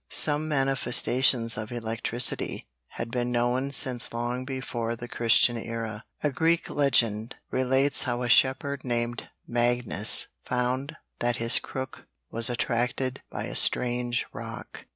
Some manifestations of electricity had been known since long before the Christian era. A Greek legend relates how a shepherd named Magnes found that his crook was attracted by a strange rock.